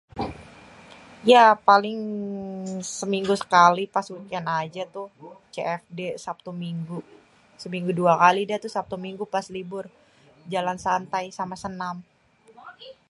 ya paling. seminggu sekali pas weekènd aja tuh cfd sabtu-minggu. seminggu dua kali dah sabtu-minggu pas libur, jalan santai sama senam.